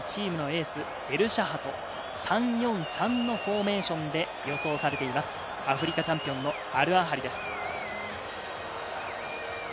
３−４−３のフォーメーションで予想されています、アフリカチャンピオンのアルアハリです。